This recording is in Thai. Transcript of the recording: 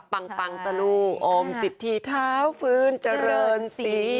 ปังปังทะลุอมสิทธิเท้าฟื้นเจริญศรี